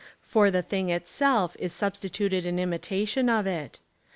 For the thing itself is substituted an imitation of it.